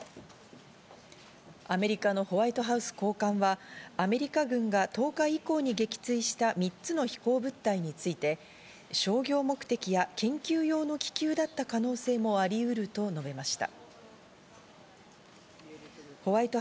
アメリカのホワイトハウス高官は、アメリカ軍が１０日以降に撃墜した３つの飛行物体について、商業目的や研究用の気球だった可能性もありうると述べました。